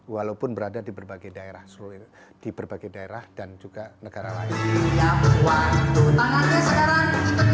walaupun berada di berbagai daerah dan juga negara lain